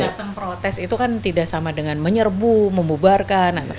datang protes itu kan tidak sama dengan menyerbu membubarkan